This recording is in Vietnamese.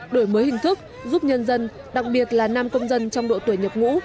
đổi mới hình thức giúp nhân dân đặc biệt là nam công dân trong độ tuổi nhập ngũ